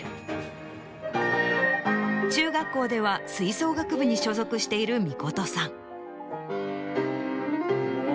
中学校では吹奏楽部に所属している美琴さん。